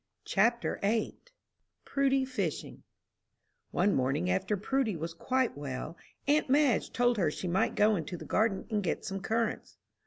CHAPTER VIII PRUDY FISHING One morning, after Prudy was quite well, aunt Madge told her she might go into the garden and get some currants.